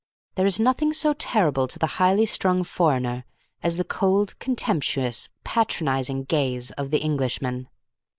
There is nothing so terrible to the highly strung foreigner as the cold, contemptuous, patronising gaze of the Englishman.